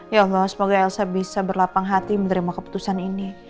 ya allah semoga elsa bisa berlapang hati menerima keputusan ini